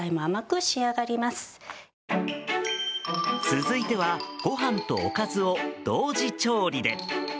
続いてはご飯とおかずを同時調理で。